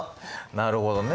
なるほどね。